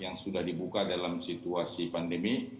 yang sudah dibuka dalam situasi pandemi